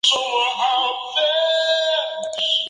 Juega para Chicago Cubs como segunda base.